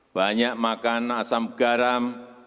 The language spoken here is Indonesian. banyak makan asam garam